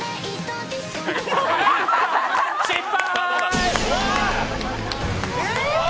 失敗！